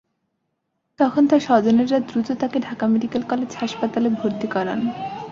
তখন তাঁর স্বজনেরা দ্রুত তাঁকে ঢাকা মেডিকেল কলেজ হাসপাতালে ভর্তি করান।